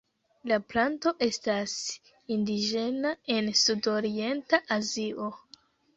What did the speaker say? La planto estas indiĝena en sud-orienta Azio.